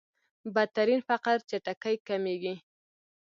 بدترين فقر چټکۍ کمېږي.